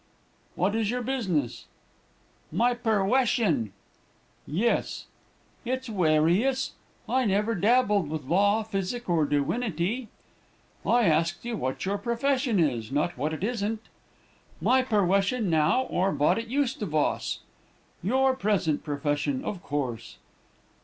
"'What is your business?' "'My perwession?' "'Yes.' "'It's warious. I never dabbled with law, physic, or diwinity.' "'I asked you what your profession is not what it isn't.' "'My perwession now, or vot it used to vos?' "'Your present profession, of course.'